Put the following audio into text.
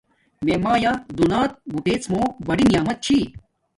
میے مایا دونیات بوتیڎ مون بڑی نعمت چھی